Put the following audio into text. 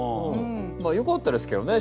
まあよかったですけどね